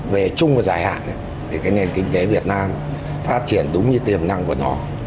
về chung và dài hạn thì cái nền kinh tế việt nam phát triển đúng như tiềm năng của nó